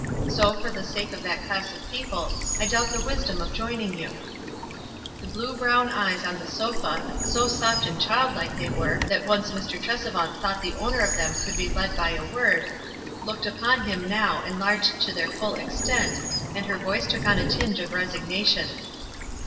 So, for the sake of that class <of people, I doubt the wisdom of joining you." The blue brown eyes on the sofa — so soft and child like they were, that once Mr. Trese WISE AND OTHERWISE. 27 vant thought the owner of them could be led by a word — looked up tit him now enlarged to their full extent, and her voice took on a tinge of res ignation.